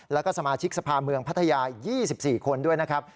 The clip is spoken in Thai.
แล้วก็สมาชิกสภาเมืองพัทยา๒๔คนด้วยนะครับ